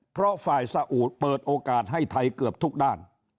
เพราะฝ่ายสะอูดเปิดโอกาสให้ไทยเกือบทุกด้าน